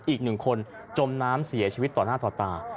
อีกหนึ่งคนจมน้ำเสียชีวิตต่อหน้าต่อตา